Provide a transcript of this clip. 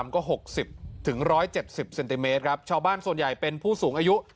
ก็หกสิบถึงร้อยเจ็บสิบเซนติเมตรครับชาวบ้านส่วนใหญ่เป็นผู้สูงอายุ